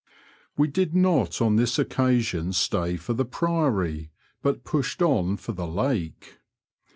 We did not on this occasion stay for the Priory, but pushed on for the lake.